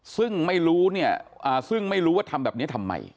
ซึ่งไม่รู้เนี่ยซึ่งไม่รู้ว่าทำแบบนี้ทำไม